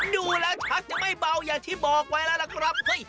ดูแล้วชักจะไม่เบาอย่างที่บอกไว้แล้วล่ะครับเฮ้ย